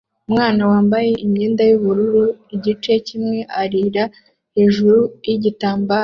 Umwana wambaye imyenda yubururu igice kimwe arira hejuru yigitambaro